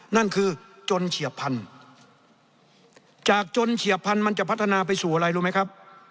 นั่นคือจนเฉียบพันธุ์จากจนเฉียบพันธุ์มันจะพัฒนาไปสู่อะไรรู้ไหมครับ